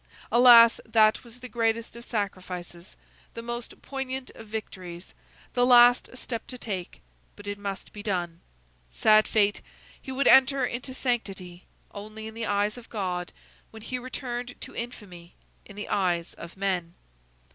Alas! that was the greatest of sacrifices, the most poignant of victories, the last step to take; but it must be done. Sad fate! he would enter into sanctity only in the eyes of God when he returned to infamy in the eyes of men.